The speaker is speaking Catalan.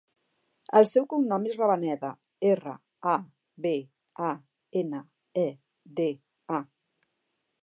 El seu cognom és Rabaneda: erra, a, be, a, ena, e, de, a.